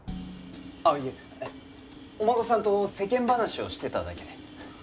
あっいえお孫さんと世間話をしてただけで。